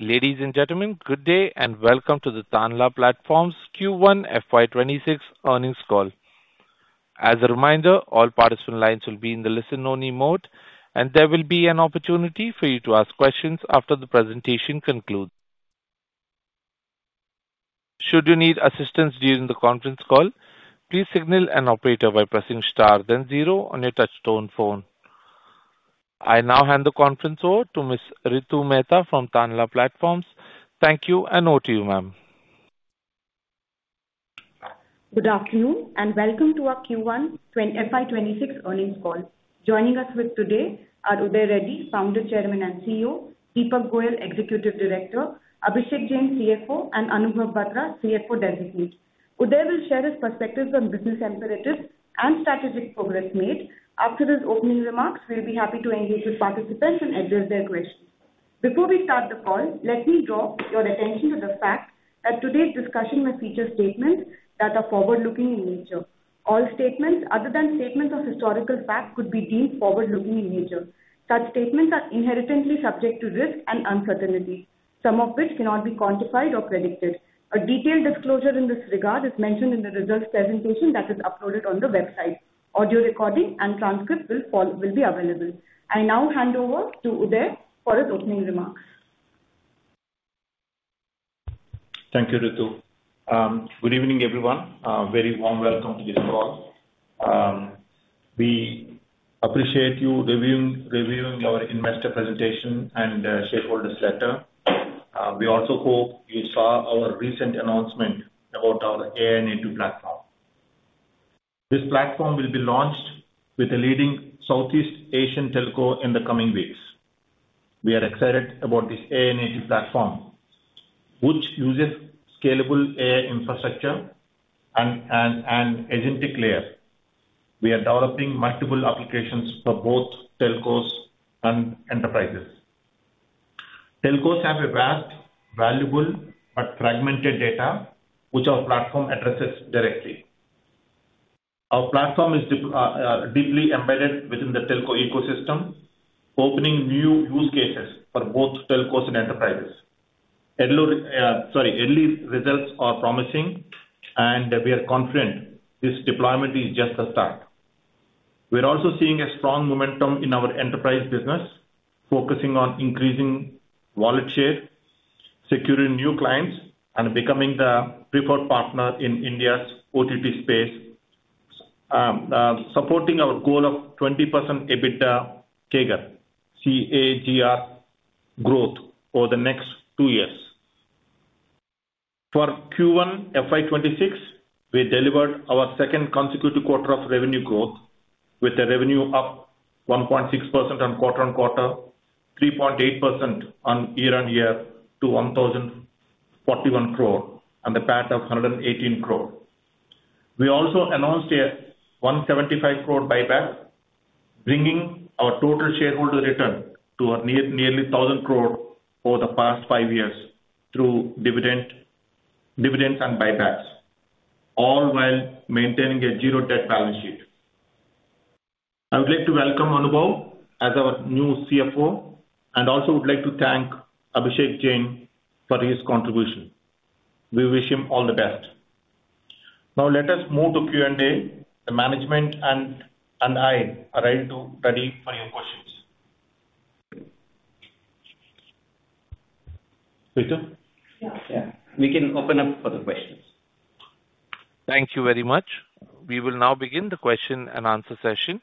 Ladies and gentlemen, good day and welcome to the Tanla Platforms Q1 FY26 earnings call. As a reminder, all participant lines will be in the listen-only mode, and there will be an opportunity for you to ask questions after the presentation concludes. Should you need assistance during the conference call, please signal an operator by pressing star then zero on your touch-tone phone. I now hand the conference over to Ms. Ritu Mehta from Tanla Platforms. Thank you and over to you, ma'am. Good afternoon and welcome to our Q1 FY26 earnings call. Joining us today are Uday Reddy, Founder Chairman and CEO, Deepak Goyal, Executive Director, Abhishek Jain, CFO, and Anubha Batra, CFO Designate. Uday will share his perspectives on business imperatives and strategic progress made. After his opening remarks, we'll be happy to engage with participants and address their questions. Before we start the call, let me draw your attention to the fact that today's discussion will feature statements that are forward-looking in nature. All statements, other than statements of historical facts, could be deemed forward-looking in nature. Such statements are inherently subject to risk and uncertainty, some of which cannot be quantified or predicted. A detailed disclosure in this regard is mentioned in the results presentation that is uploaded on the website. Audio recording and transcripts will be available. I now hand over to Uday for his opening remarks. Thank you, Ritu. Good evening, everyone. A very warm welcome to this call. We appreciate you reviewing our investor presentation and shareholders' letter. We also hope you saw our recent announcement about our AI-native platform. This platform will be launched with the leading Southeast Asian telco in the coming weeks. We are excited about this AI-native platform, which uses scalable AI infrastructure and an agentic layer. We are developing multiple applications for both telcos and enterprises. Telcos have a vast, valuable, but fragmented data, which our platform addresses directly. Our platform is deeply embedded within the telco ecosystem, opening new use cases for both telcos and enterprises. Early results are promising, and we are confident this deployment is just the start. We're also seeing a strong momentum in our enterprise business, focusing on increasing wallet share, securing new clients, and becoming the preferred partner in India's OTT space, supporting our goal of 20% EBITDA CAGR growth over the next two years. For Q1 FY26, we delivered our second consecutive quarter of revenue growth, with the revenue up 1.6% quarter-on-quarter, 3.8% year-on-year, to 1,041 crore on the path of 118 crore. We also announced a 175-crore buyback, bringing our total shareholder return to nearly 1,000 crore over the past five years through dividends and buybacks, all while maintaining a zero-debt balance sheet. I would like to welcome Anubha as our new CFO and also would like to thank Abhishek Jain for his contribution. We wish him all the best. Now, let us move to Q&A. The management and I are ready for your questions. Ritu? We can open up for the questions. Thank you very much. We will now begin the question and answer session.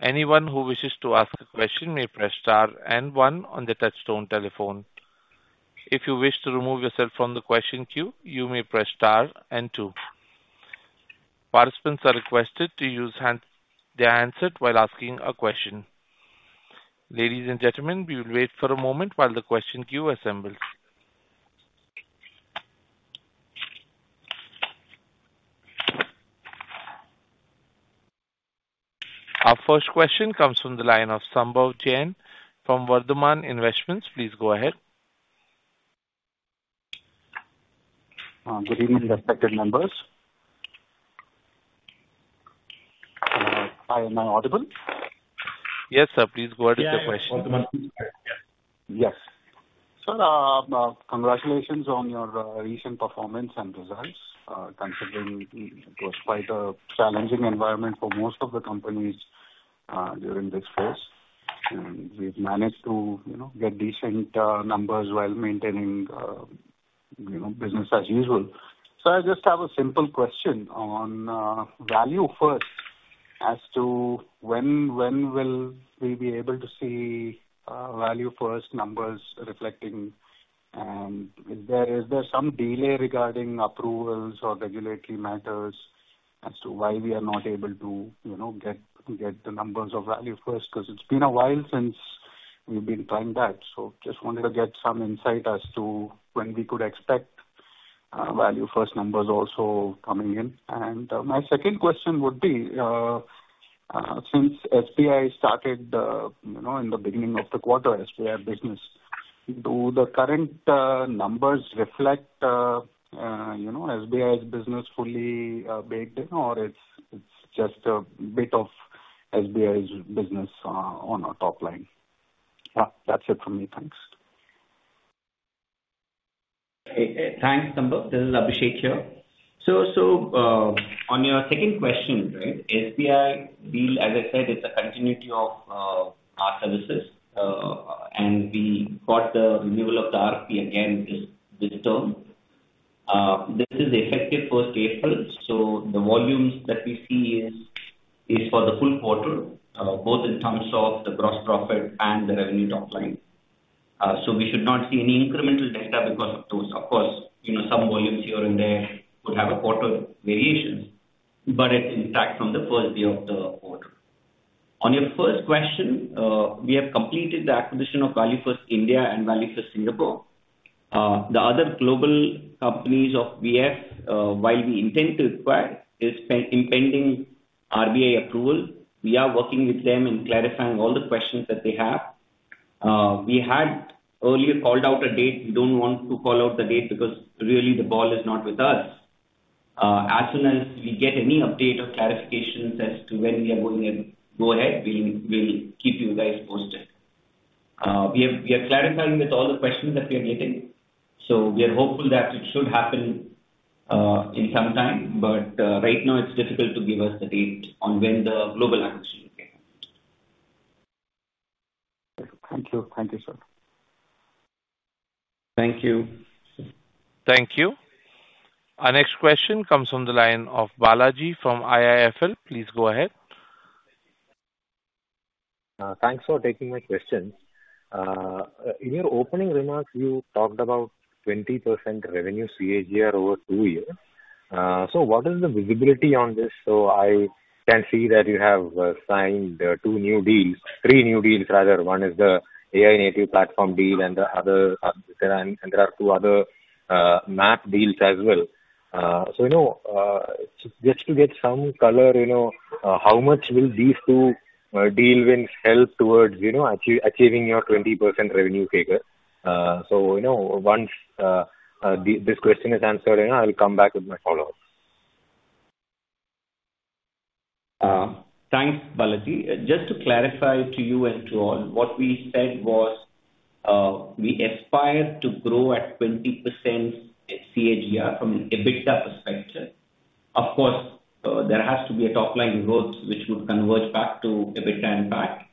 Anyone who wishes to ask a question may press star and one on the touch-tone telephone. If you wish to remove yourself from the question queue, you may press star and two. Participants are requested to use their hands while asking a question. Ladies and gentlemen, we will wait for a moment while the question queue assembles. Our first question comes from the line of Sambhav Jain from Vardhman Investments Good evening, respected members. I'm I now audible? Yes, sir. Please go ahead with your question. Yes. Sir, congratulations on your recent performance and results. Considering it was quite a challenging environment for most of the companies during this phase, we've managed to get decent numbers while maintaining business as usual. Sir, I just have a simple question on ValueFirst as to when will we be able to see ValueFirst numbers reflecting? Is there some delay regarding approvals or regulatory matters as to why we are not able to get the numbers of ValueFirst? It's been a while since we've been trying that. Just wanted to get some insight as to when we could expect ValueFirst numbers also coming in. My second question would be, since SBI started in the beginning of the quarter, SBI business, do the current numbers reflect SBI's business fully baked in, or it's just a bit of SBI's business on our top line? That's it from me. Thanks. Thanks, Sambhav. This is Abhishek here. On your second question, right, SBI deal, as I said, it's a continuity of our services. We got the renewal of the RPN end this term. This is effective 1st April. The volumes that we see are for the full quarter, both in terms of the gross profit and the revenue top line. We should not see any incremental delta because of those. Of course, some volumes here and there would have a quarter variation, but it's in fact from the first day of the quarter. On your first question, we have completed the acquisition of ValueFirst India and ValueFirst Singapore. The other global companies of VF, while we intend to acquire, are impending RBI approval. We are working with them and clarifying all the questions that they have. We had earlier called out a date. We don't want to call out the date because really the ball is not with us. As soon as we get any update or clarifications as to when we are going to go ahead, we will keep you guys posted. We are clarifying with all the questions that we are getting. We are hopeful that it should happen in some time, but right now it's difficult to give us the date on when the global acquisition. Thank you. Thank you, sir. Thank you. Thank you. Our next question comes from the line of Balaji from IIFL. Please go ahead. Thanks for taking my questions. In your opening remarks, you talked about 20% revenue CAGR over two years. What is the visibility on this? I can see that you have signed three new deals. One is the AI-native platform deal and there are two other MaaP deals as well. Just to get some color, how much will these two deal wins help towards achieving your 20% revenue figure? Once this question is answered, I'll come back with my follow-up. Thanks, Balaji. Just to clarify to you and to all, what we said was we aspire to grow at 20% CAGR from EBITDA perspective. Of course, there has to be a top line growth which would converge back to EBITDA impact.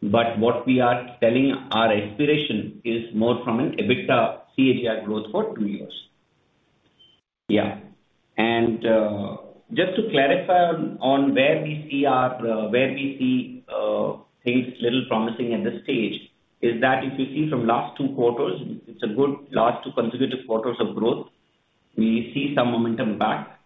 What we are telling our aspiration is more from an EBITDA CAGR growth for two years. Yeah. Just to clarify on where we see things little promising at this stage is that if you see from last two quarters, it's a good last two consecutive quarters of growth. We see some momentum back.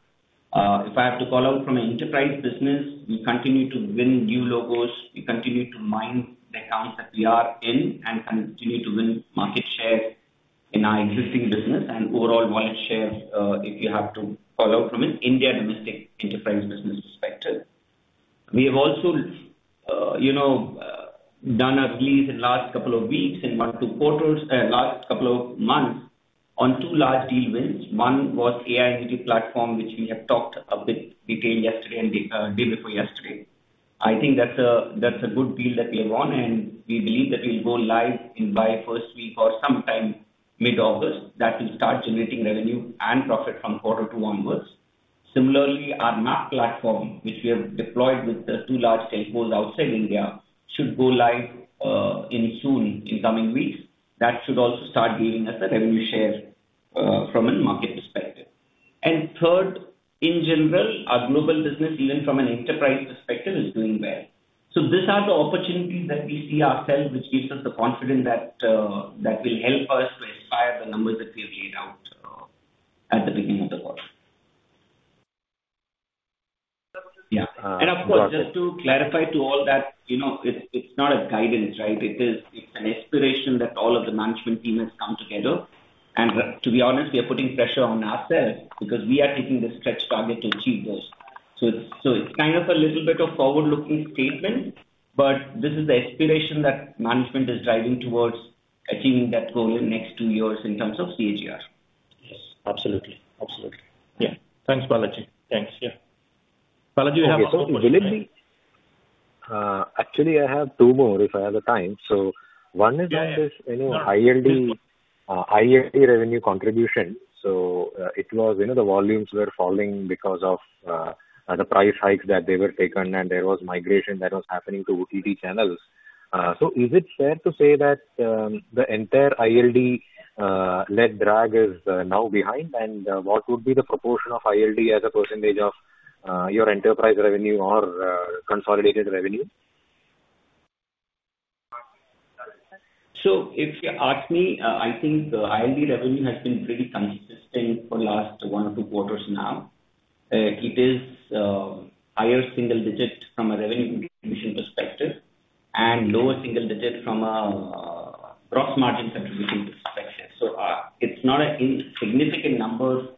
If I have to call out from an enterprise business, we continue to win new logos. We continue to mind the accounts that we are in and continue to win market share in our existing business and overall wallet share. If you have to call out from an India domestic enterprise business perspective, we have also done a release in the last couple of weeks, in one or two quarters, and the last couple of months on two large deal wins. One was AI-native platform, which we have talked a bit detailed yesterday and deemed for yesterday. I think that's a good deal that we live on, and we believe that we'll go live in by first week or sometime mid-August. That will start generating revenue and profit from quarter two onwards. Similarly, our MaaP platform, which we have deployed with the two large telcos outside India, should go live in soon in coming weeks. That should also start giving us a revenue share from a market perspective. Third, in general, our global business, even from an enterprise perspective, is doing well. These are the opportunities that we see ourselves, which gives us the confidence that that will help us to inspire the numbers that we have laid out at the beginning of the quarter. Yeah. Just to clarify to all that, you know it's not a guidance, right? It's an aspiration that all of the management team has come together. To be honest, we are putting pressure on ourselves because we are taking the stretch target to achieve those. It's kind of a little bit of a forward-looking statement, but this is the aspiration that management is driving towards achieving that goal in the next two years in terms of CAGR. Yes, absolutely. Absolutely. Yeah. Thanks, Balaji. Thanks. Yeah? Balaji. Actually, I have two more if I have the time. One is on this India revenue contribution. It was, you know, the volumes were falling because of the price hikes that they were taken, and there was migration that was happening to OTT channels. Is it fair to say that the entire ILD-led drag is now behind? What would be the proportion of ILD as a percentage of your enterprise revenue or consolidated revenue? If you ask me, I think India revenue has been pretty consistent for the last one or two quarters now. It is a higher single-digit from a revenue contribution perspective and lower single-digit from a gross margin contribution perspective. It's not a significant number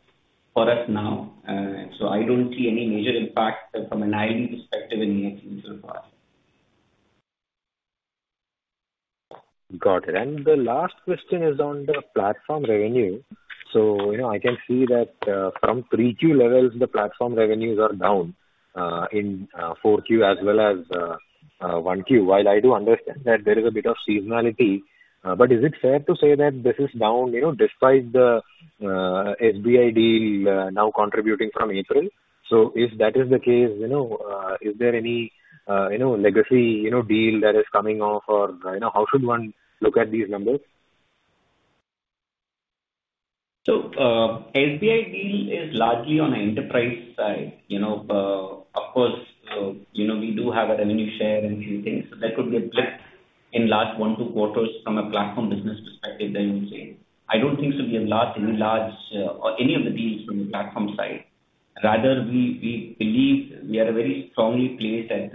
for us now. I don't see any major impact from an ILD perspective in the next two quarters. Got it. The last question is on the platform revenue. I can see that from 3Q levels, the platform revenues are down in 4Q as well as 1Q. While I do understand that there is a bit of seasonality, is it fair to say that this is down despite the SBI deal now contributing from April? If that is the case, is there any legacy deal that is coming off? How should one look at these numbers? The SBI deal is largely on the enterprise side. Of course, we do have a revenue share and a few things. That could be a blip in the last one or two quarters from a platform business perspective, I would say. I don't think we have lost any large or any of the deals from the platform side. Rather, we believe we are very strongly placed at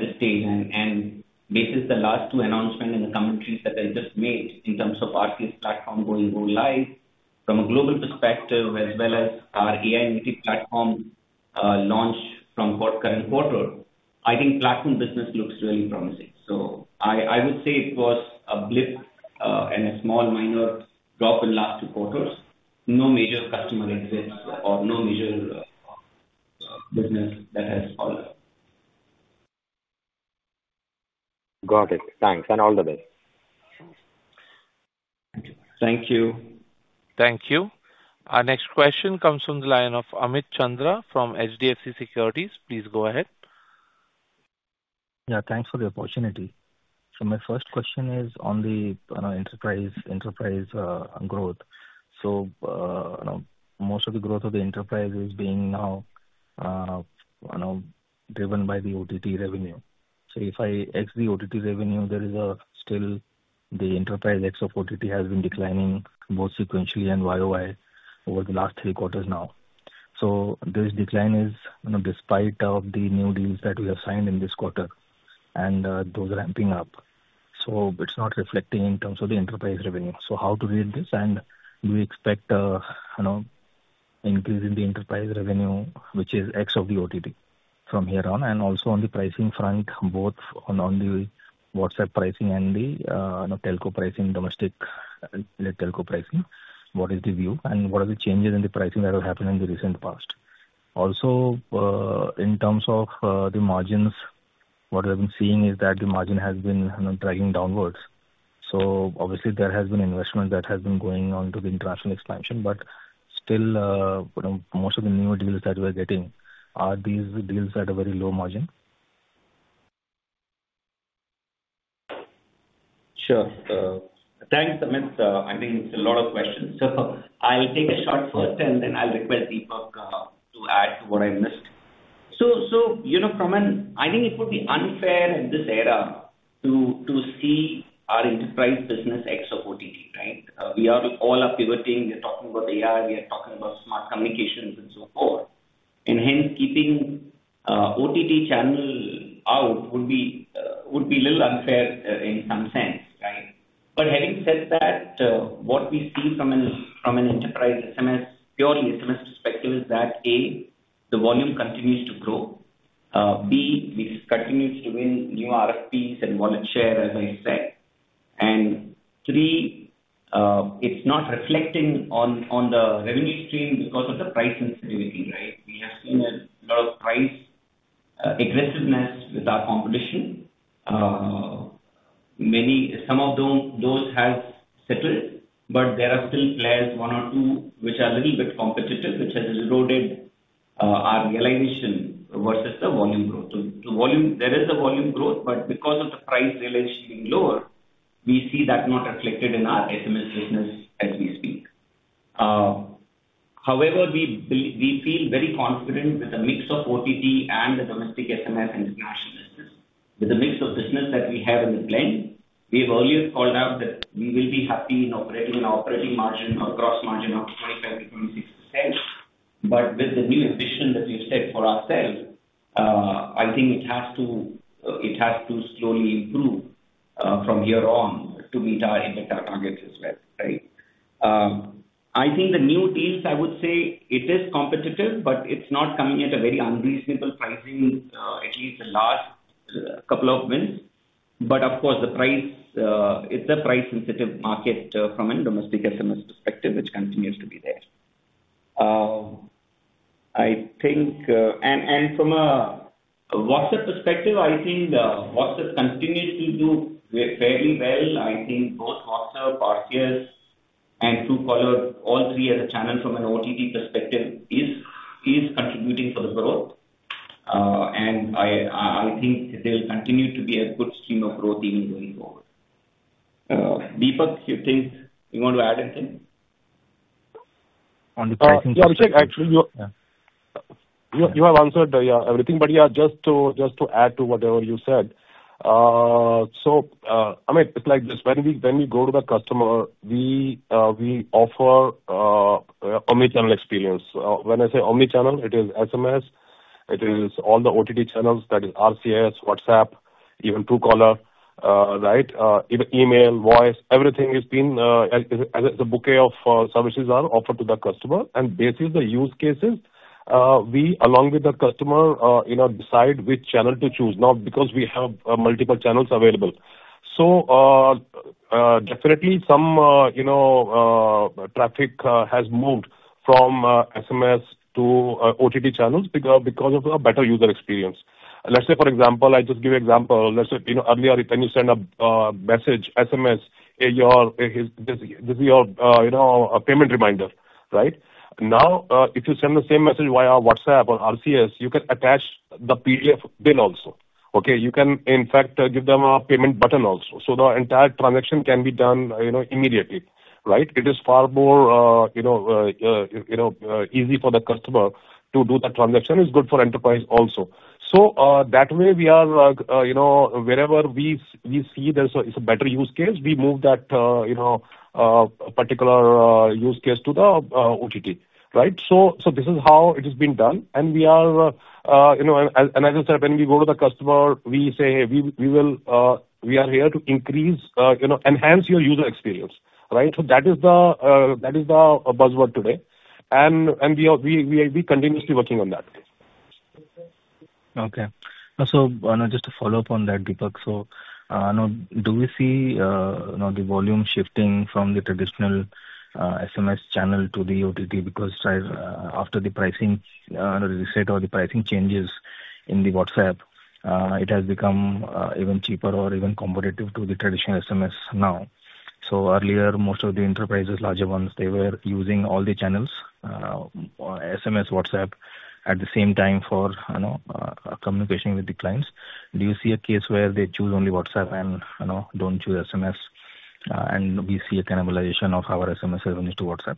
this stage. Based on the last two announcements and the commentaries that I just made in terms of RCS platform going live from a global perspective, as well as our AI-native platform launch from the current quarter, I think platform business looks really promising. I would say it was a blip and a small minor drop in the last two quarters. No major customer exits or no major business that has fallen. Got it. Thanks and all the best. Thank you. Thank you. Our next question comes from the line of Amit Chandra from HDFC Securities. Please go ahead. Yeah, thanks for the opportunity. My first question is on the enterprise growth. Most of the growth of the enterprise is being now driven by the OTT revenue. If I ask the OTT revenue, there is still the enterprise ex of OTT has been declining both sequentially and YoY over the last three quarters now. This decline is despite the new deals that we have signed in this quarter and those ramping up. It's not reflecting in terms of the enterprise revenue. How to read this and do we expect an increase in the enterprise revenue, which is ex of the OTT from here on? Also, on the pricing front, both on the WhatsApp pricing and the telco pricing, domestic telco pricing, what is the view and what are the changes in the pricing that have happened in the recent past? In terms of the margins, what we have been seeing is that the margin has been dragging downwards. Obviously, there has been investment that has been going on to the international expansion. Still, most of the new deals that we're getting, are these the deals that are very low margin? Sure. Thanks, Amit. I think it's a lot of questions. I'll take a short thought and then I'll request Deepak to add to what I missed. From an, I think it would be unfair in this era to see our enterprise business ex of OTT, right? We are all pivoting. We are talking about AI. We are talking about smart communications and so forth. Hence, keeping OTT channel out would be a little unfair in some sense, right? Having said that, what we see from an enterprise SMS, purely SMS perspective, is that A, the volume continues to grow, B, we continue to win new RFPs and wallet share, as I said, and three, it's not reflecting on the revenue stream because of the price sensitivity, right? We have seen a lot of price aggressiveness with our completion. Some of those have settled, but there are still players, one or two, which are a little bit competitive, which has eroded our realization versus the volume growth. There is a volume growth, but because of the price realization being lower, we see that not reflected in our SMS business as we speak. However, we feel very confident with the mix of OTT and the domestic SMS and international business, with the mix of business that we have in the plan. We have earlier called out that we will be happy in operating an operating margin of a gross margin of 25%–26%. With the new ambition that we have set for ourselves, I think it has to slowly improve from here on to meet our targets as well, right? The new deals, I would say it is competitive, but it's not coming at a very unreasonable pricing, at least the last couple of wins. Of course, it's a price-sensitive market from a domestic SMS perspective, which continues to be there. From a WhatsApp perspective, I think the WhatsApp continues to do fairly well. Both WhatsApp, RCS, and Truecaller, all three as a channel from an OTT perspective, is contributing for the growth. I think it will continue to be a good stream of growth even going forward. Deepak, you think you want to add anything on the pricing? Yeah, Abhishek, actually, you have answered everything, but just to add to whatever you said. Amit, it's like this: when we go to the customer, we offer omnichannel experience. When I say omnichannel, it is SMS, it is all the OTT channels that are RCS, WhatsApp, even Truecaller, right? Email, voice, everything is, as a bouquet of services, offered to the customer. Based on the use cases, we, along with the customer, decide which channel to choose. Now, because we have multiple channels available, definitely some traffic has moved from SMS to OTT channels because of a better user experience. For example, I'll just give you an example. Earlier, when you send a message, SMS, this is your payment reminder, right? Now, if you send the same message via WhatsApp or RCS, you can attach the PDF bill also. You can, in fact, give them a payment button also. The entire transaction can be done immediately, right? It is far more easy for the customer to do that transaction. It's good for enterprise also. That way, wherever we see there's a better use case, we move that particular use case to the OTT, right? This is how it has been done. As I said, when we go to the customer, we say, "Hey, we are here to increase, enhance your user experience," right? That is the buzzword today. We are continuously working on that today. Okay. Anu, just to follow-up on that, Deepak. Do we see the volume shifting from the traditional SMS channel to the OTT because after the pricing reset or the pricing changes in WhatsApp, it has become even cheaper or even competitive to the traditional SMS now? Earlier, most of the enterprises, larger ones, were using all the channels, SMS, WhatsApp, at the same time for communication with the clients. Do you see a case where they choose only WhatsApp and don't choose SMS, and we see a cannibalization of our SMS revenues to WhatsApp?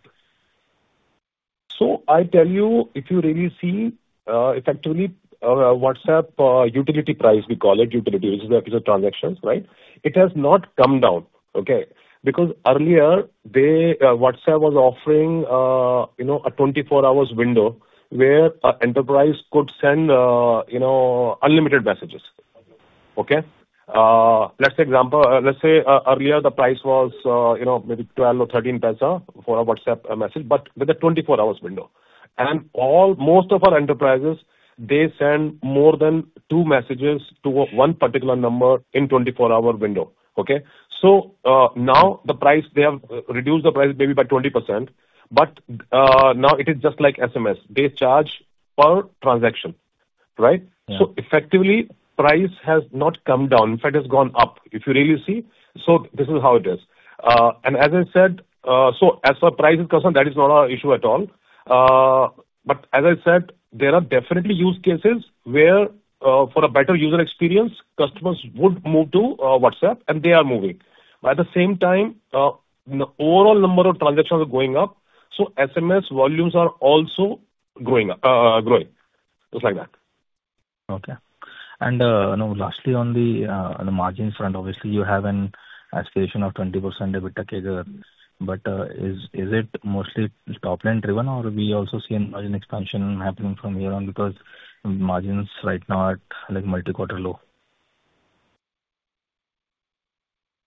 If you really see, effectively, WhatsApp utility price, we call it utility, which is the piece of transactions, right? It has not come down, okay? Earlier, WhatsApp was offering a 24-hour window where an enterprise could send unlimited messages. Let's say, for example, earlier the price was maybe 12 or 13 for a WhatsApp message, but with a 24-hour window. Most of our enterprises send more than two messages to one particular number in a 24-hour window. Now the price, they have reduced the price maybe by 20%, but now it is just like SMS. They charge per transaction, right? Effectively, price has not come down. In fact, it has gone up, if you really see. This is how it is. As I said, as far as price is concerned, that is not an issue at all. There are definitely use cases where, for a better user experience, customers would move to WhatsApp, and they are moving. At the same time, the overall number of transactions are going up. SMS volumes are also growing. Just like that. Okay. Lastly, on the margin front, obviously, you have an escalation of 20% EBITDA CAGR. Is it mostly top-line driven, or do we also see a margin expansion happening from here on because margins right now are at like multi-quarter low?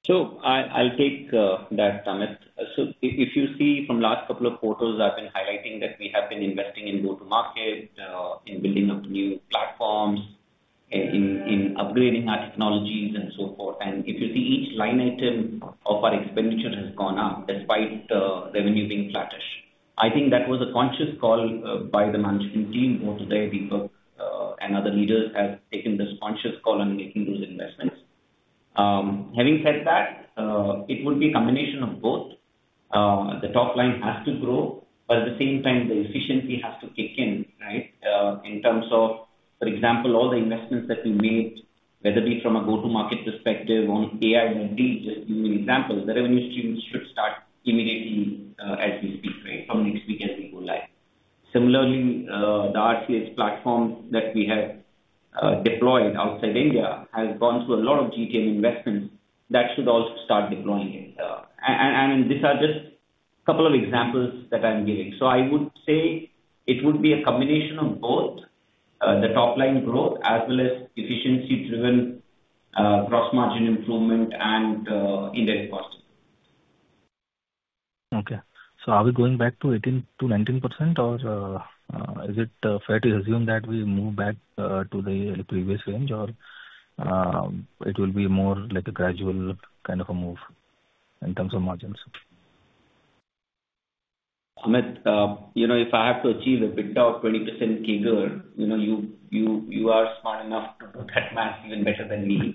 I take that, Amit. If you see from the last couple of quarters, I've been highlighting that we have been investing in go-to-market, in building up new platforms, in upgrading our technologies, and so forth. If you see each line item of our expenditure has gone up despite revenue being flattish, I think that was a conscious call by the management team. Both today, Deepak, and other leaders have taken this conscious call on making those investments. Having said that, it would be a combination of both. The top line has to grow, but at the same time, the efficiency has to kick in, right? In terms of, for example, all the investments that we made, whether it be from a go-to-market perspective on AI, you give me an example, the revenue streams should start immediately as we speak, right, from next week as we go live. Similarly, the RCS platform that we have deployed outside India has gone through a lot of GTM investments. That should also start deploying it. These are just a couple of examples that I'm giving. I would say it would be a combination of both, the top line growth, as well as efficiency-driven gross margin improvement and indirect costing. Is it fair to assume that we move back to the previous range of 18–19%, or will it be more like a gradual kind of a move in terms of margins. Amit, if I have to achieve EBITDA of 20% CAGR, you are smart enough to do that math even better than me.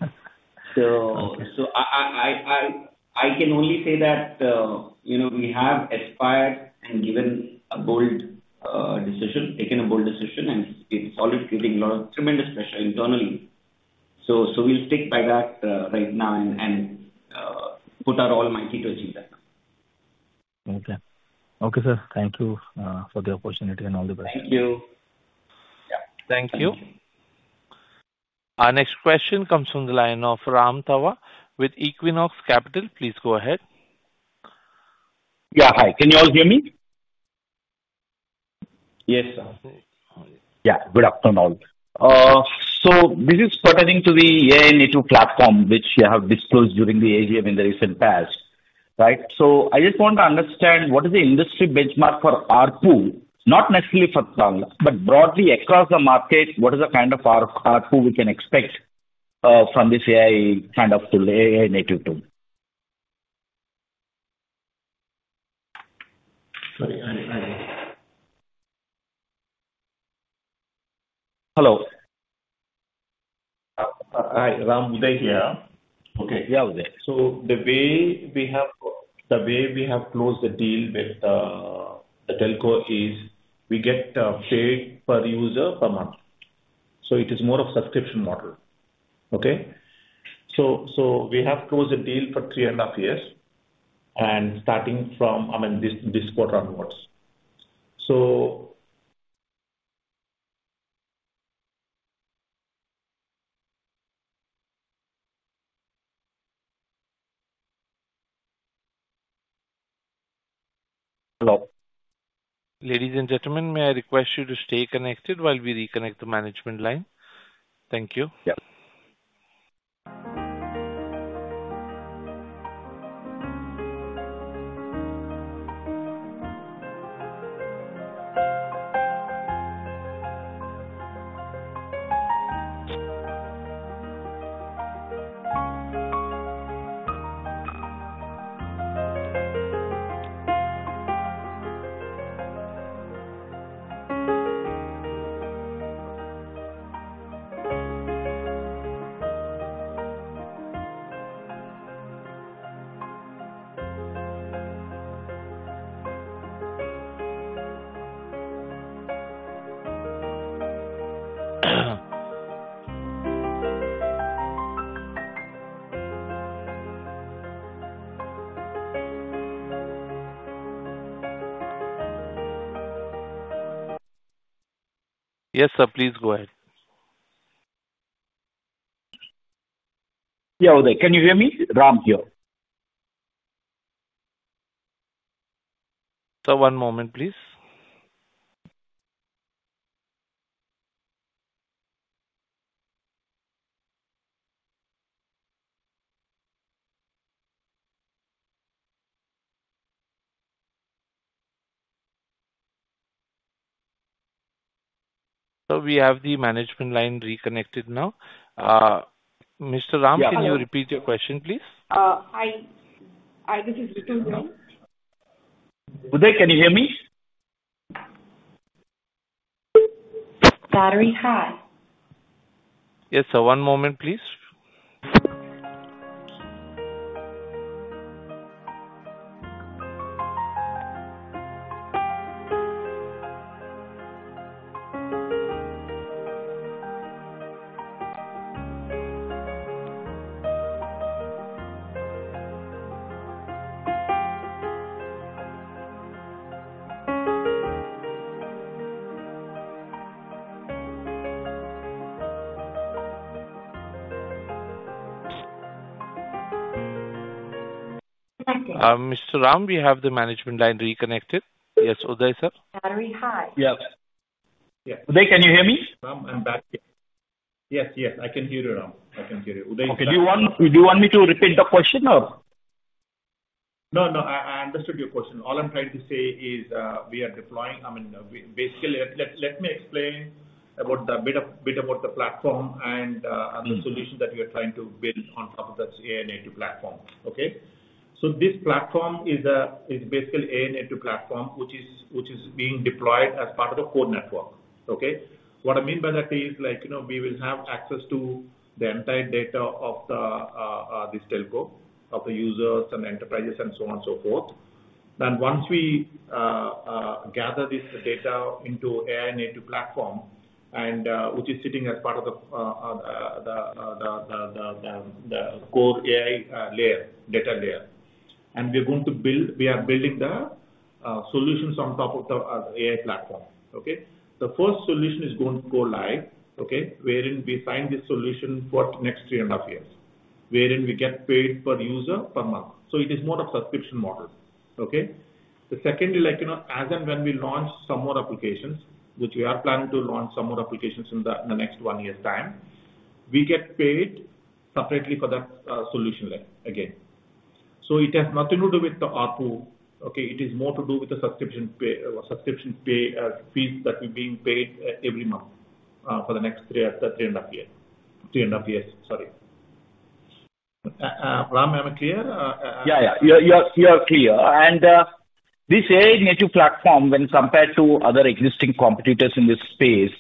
I can only say that we have aspired and taken a bold decision, and it's already creating a lot of tremendous pressure internally. We'll stick by that right now and put our all mighty to achieve that. Okay. Thank you for the opportunity and all the best. Thank you. Thank you. Our next question comes from the line of Ram Tavva with Equinox Capital. Please go ahead. Yeah, hi. Can you all hear me? Yes, sir. Good afternoon. This is pertaining to the AI-native platform, which you have disclosed during the AGM in the recent past, right? I just want to understand what is the industry benchmark for ARPU, not necessarily for Tanla, but broadly across the market, what is the kind of ARPU we can expect from this AI kind of tool, AI-native tool. Hi. Hello. Hi. Uday here. Okay. Yeah, Uday. The way we have closed the deal with the telco is we get a share per user per month. It is more of a subscription model. We have closed a deal for three and a half years, starting from this quarter onwards. Ladies and gentlemen, may I request you to stay connected while we reconnect the management line? Thank you. Yes, sir. Please go ahead. Yeah, Uday. Can you hear me? Ram here. Sir, one moment, please. We have the management line reconnected now. Mr. Ram, can you repeat your question, please? Hi. This is Ritu Mehta. Uday, can you hear me? Battery cut. Yes, sir. One moment, please. Nothing. Mr. Ram, do you have the management line reconnected? Yes, Uday, sir? Battery cut. Yes. Uday, can you hear me? I'm back here. Yes, yes. I can hear you, Ram. I can hear you. Uday, do you want me to repeat the question, or? No, no. I understood your question. All I'm trying to say is we are deploying, I mean, basically, let me explain about the bit about the platform and the solution that we are trying to build on top of this AI-native platform. This platform is basically an AI-native platform, which is being deployed as part of the core network. What I mean by that is, like, you know, we will have access to the entire data of this telco, of the users and enterprises, and so on and so forth. Once we gather this data into the AI-native platform, which is sitting as part of the core AI layer/data layer, we are going to build, we are building the solutions on top of the AI platform. The first solution is going to go live, wherein we sign this solution for the next three and a half years, wherein we get paid per user per month. It is more of a subscription model. Secondly, as and when we launch some more applications, which we are planning to launch some more applications in the next one year's time, we get paid separately for that solution again. It has nothing to do with the ARPU. It is more to do with the subscription fees that are being paid every month for the next three and a half years. Sorry. Ram, am I clear? Yeah, you are clear. This AI-native platform, when compared to other existing competitors in this space,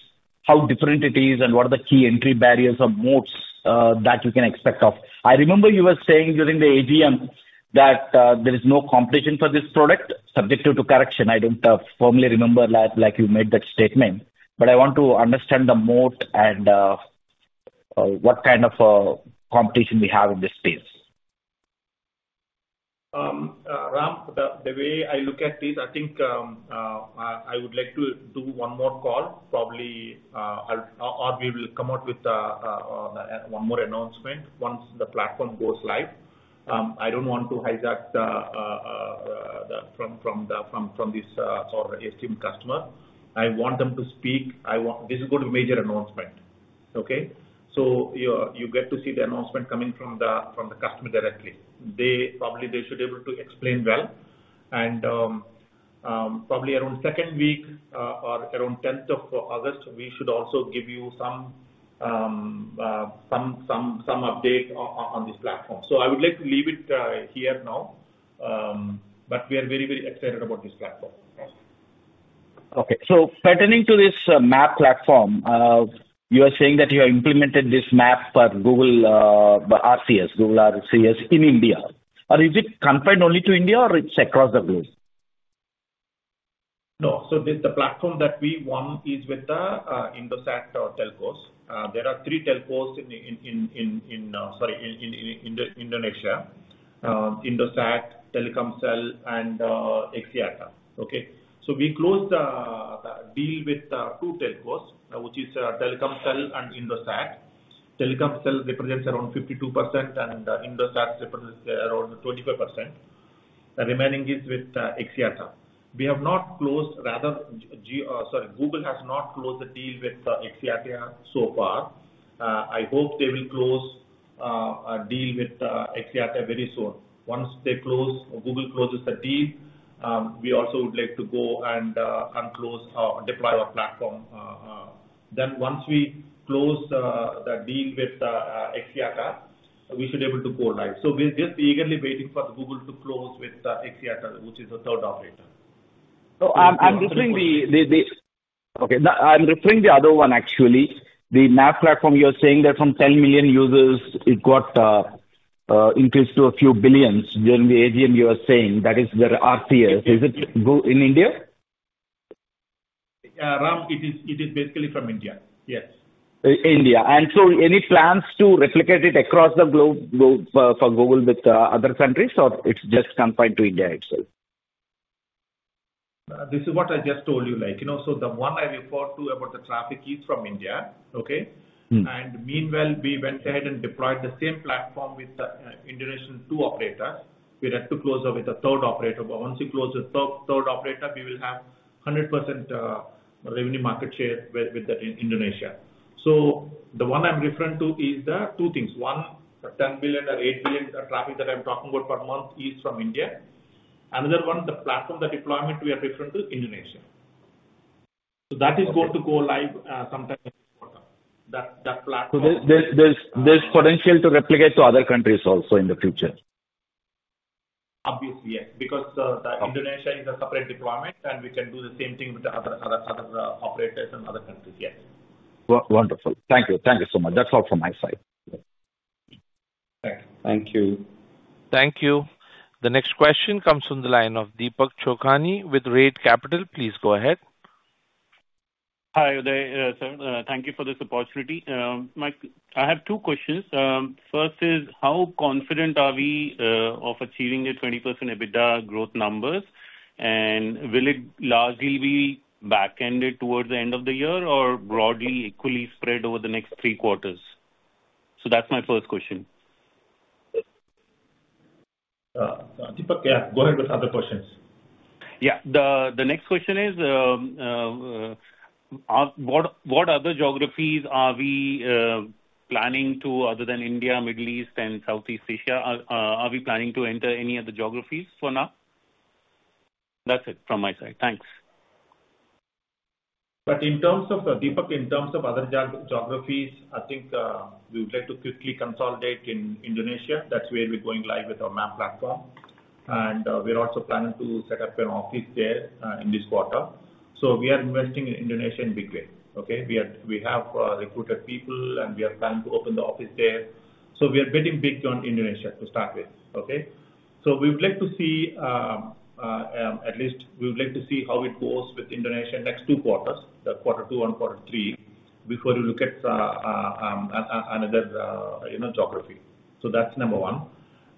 how different it is and what are the key entry barriers or moats that we can expect of it? I remember you were saying during the AGM that there is no competition for this product, subject to correction. I don't firmly remember like you made that statement, but I want to understand the moat and what kind of competition we have in this space. Ram, the way I look at this, I think I would like to do one more call, probably, or we will come out with one more announcement once the platform goes live. I don't want to hijack this from our esteemed customer. I want them to speak. This is going to be a major announcement. Okay? You get to see the announcement coming from the customer directly. They probably should be able to explain well. Probably around the second week or around the 10th of August, we should also give you some updates on this platform. I would like to leave it here now. We are very, very excited about this platform. Okay. Pertaining to this MaaP platform, you are saying that you have implemented this MaaP for Google RCS, Google RCS in India. Is it confined only to India, or is it across the globe? No. The platform that we won is with the Indosat telcos. There are three telcos in Indonesia: Indosat, Telkomsel, and Axiata. We closed the deal with two telcos, which is Telkomsel and Indosat. Telkomsel represents around 52%, and Indosat represents around 25%. The remaining is with Axiata. We have not closed, rather, Google has not closed the deal with Axiata so far. I hope they will close a deal with Axiata very soon. Once Google closes the deal, we also would like to go and deploy our platform. Once we close the deal with Axiata, we should be able to go live. We are just eagerly waiting for Google to close with Axiata, which is the third operator. Okay. I'm referring the other one, actually. The MaaP platform, you're saying that from 10 million users, it got increased to a few billions during the AGM. You were saying that is where RCS. Is it in India? Yeah, Ram, it is basically from India. Yes. India. Any plans to replicate it across the globe for Google with other countries, or is it just confined to India itself? This is what I just told you. Like, you know, the one I referred to about the traffic is from India. Meanwhile, we went ahead and deployed the same platform with the Indonesian two operators. We had to close up with a third operator. Once we close the third operator, we will have 100% revenue market share with Indonesia. The one I'm referring to is the two things. One, the 10 billion or 8 billion traffic that I'm talking about per month is from India. Another one, the platform, the deployment we are referring to, Indonesia. That is going to go live sometime in the quarter. That platform. There's potential to replicate to other countries also in the future? Obviously, yes, because Indonesia is a separate deployment, and we can do the same thing with other operators and other countries. Yes. Wonderful. Thank you. Thank you so much. That's all from my side. Thank you. Thank you. The next question comes from the line of Deepak Chokhani with Rate Capital. Please go ahead. Hi, Uday. Thank you for this opportunity. I have two questions. First is, how confident are we of achieving the 20% EBITDA growth numbers? Will it largely be back-ended towards the end of the year or broadly equally spread over the next three quarters? That's my first question. Deepak, go ahead with the other questions. Yeah, the next question is, what other geographies are we planning to, other than India, Middle East, and Southeast Asia? Are we planning to enter any other geographies for now? That's it from my side. Thanks. In terms of other geographies, Deepak, I think we would like to quickly consolidate in Indonesia. That's where we're going live with our MaaP platform, and we're also planning to set up an office there in this quarter. We are investing in Indonesia in a big way. We have recruited people, and we are planning to open the office there. We are betting big on Indonesia to start with. We would like to see, at least, how it goes with Indonesia in the next two quarters, quarter two and quarter three, before you look at another geography. That's number one.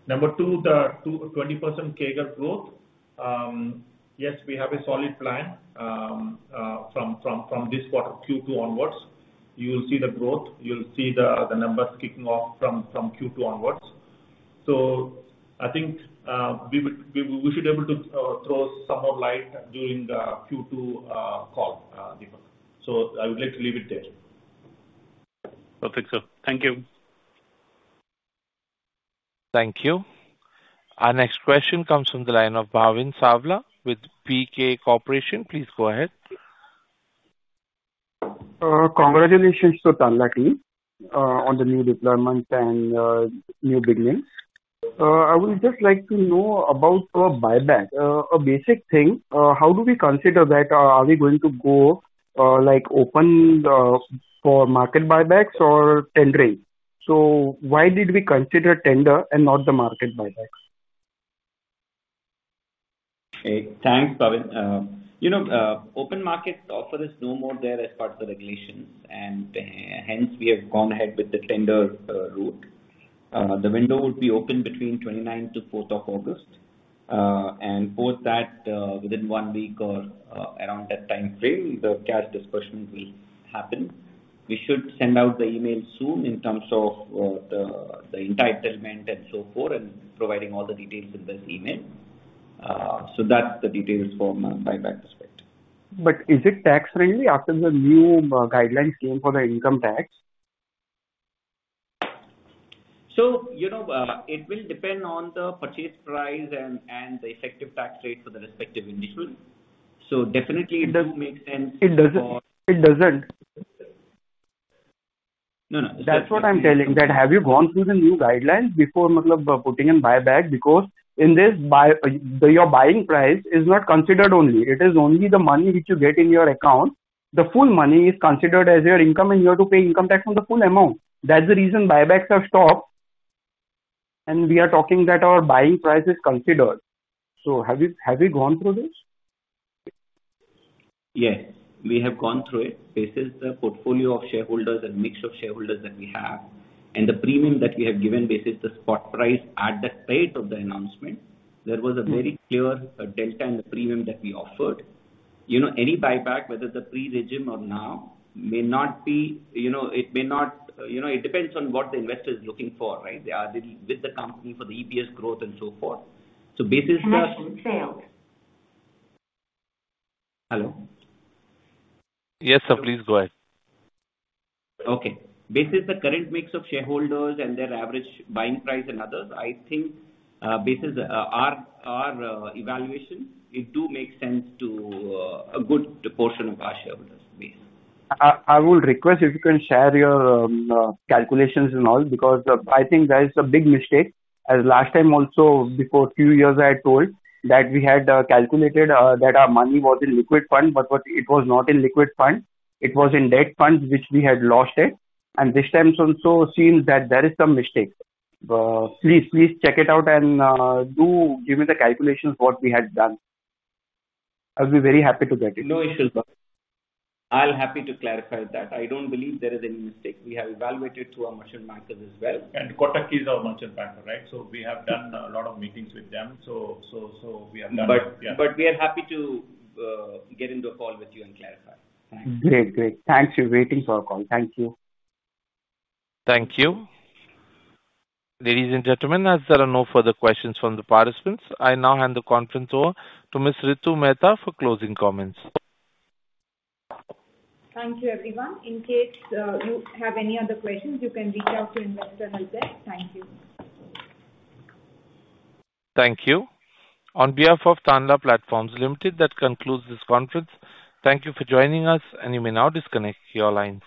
Number two, the 20% CAGR growth. Yes, we have a solid plan from this quarter, Q2, onwards. You will see the growth. You will see the numbers kicking off from Q2 onwards. I think we should be able to throw some more light during the Q2 call, Deepak. I would like to leave it there. Perfect, sir. Thank you. Thank you. Our next question comes from the line of Aravind Viswanathan with PK Corporation. Please go ahead. Congratulations to Tanla Limited on the new deployment and new beginnings. I would just like to know about a buyback. A basic thing, how do we consider that? Are we going to go open for market buybacks or tendering? Why did we consider tender and not the market buyback? Thanks, Balaji. Open market offers no more there as part of the regulations. Hence, we have gone ahead with the tender route. The window would be open between 29th–4th of August. Post that, within one week or around that timeframe, the cash disbursement will happen. We should send out the email soon in terms of the entitlement and so forth, providing all the details in this email. That's the details from my perspective. Is it tax-friendly after the new guidelines came for the income tax? It will depend on the purchase price and the effective tax rate for the respective individual. It definitely doesn't make sense. It doesn't. It doesn't. No, no. That's what I'm telling, have you gone through the new guidelines before putting in buyback? In this, your buying price is not considered. It is only the money which you get in your account. The full money is considered as your income, and you have to pay income tax on the full amount. That's the reason buybacks have stopped. We are talking that our buying price is considered. Have we gone through this? Yes, we have gone through it. Based on the portfolio of shareholders and mix of shareholders that we have, and the premium that we have given based on the spot price at the date of the announcement, there was a very clear delta and the premium that we offered. Any buyback, whether the pre-regime or now, may not be, it depends on what the investor is looking for, right? They are with the company for the EPS growth and so forth. Basically. Question failed. Hello? Yes, sir. Please go ahead. Okay. Based on the current mix of shareholders and their average buying price and others, I think based on our evaluation, it does make sense to a good portion of our shareholders base. I will request if you can share your calculations and all because I think that is a big mistake. Last time also, before a few years, I had told that we had calculated that our money was in liquid fund, but it was not in liquid fund. It was in debt funds, which we had lost it. This time, it seems that there is some mistake. Please, please check it out and do give me the calculations of what we had done. I'll be very happy to get it. No issues, Balin. I'm happy to clarify that. I don't believe there is any mistake. We have evaluated through our merchant backers as well. Kotak is our merchant backer, right? We have done a lot of meetings with them, so we have done it. We are happy to get into a call with you and clarify. Thanks. Great, great. Thanks. We're waiting for a call. Thank you. Thank you. Ladies and gentlemen, as there are no further questions from the participants, I now hand the conference over to Ms. Ritu Mehta for closing comments. Thank you, everyone. In case you have any other questions, you can reach out to Investor Relations. Thank you. Thank you. On behalf of Tanla Platforms Limited, that concludes this conference. Thank you for joining us, and you may now disconnect your lines.